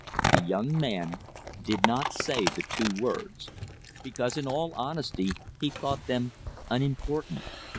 The young man did not say the two words, because in all honesty he thought them unimportant.